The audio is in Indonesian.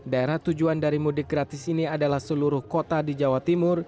daerah tujuan dari mudik gratis ini adalah seluruh kota di jawa timur